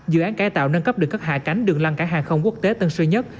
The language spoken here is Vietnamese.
dự án cải tạo nâng cấp đường cất hạ cánh đường lăng cảng hàng không quốc tế tân sơn nhất